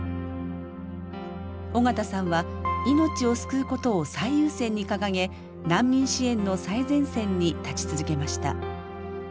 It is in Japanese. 緒方さんは命を救うことを最優先に掲げ難民支援の最前線に立ち続けました。